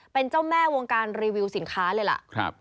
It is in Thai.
เป็นเจ้าแม่วงการรีวิวสินค้าเลยล่ะ